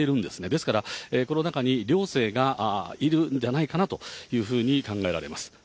ですから、この中に寮生がいるんじゃないかなというふうに考えられます。